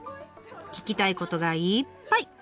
聞きたいことがいっぱい！